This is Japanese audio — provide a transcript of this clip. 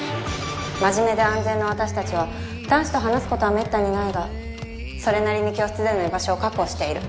真面目で安全な私たちは男子と話すことは滅多にないがそれなりに教室での居場所を確保している。